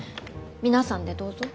皆さんでどうぞ。